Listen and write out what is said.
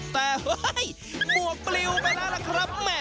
แต่เฮ้ยหมวกปลิวไปแล้วล่ะครับ